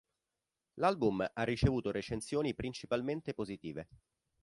L'album ha ricevuto recensioni principalmente positive.